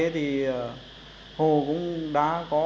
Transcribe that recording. thì hồ cũng đã có